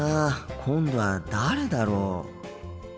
今度は誰だろう。